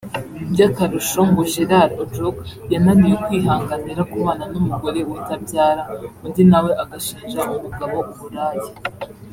By’akarusho ngo Gerald Ojok yananiwe kwihanganira kubana n’umugore utabyara undi na we agashinja umugabo uburaya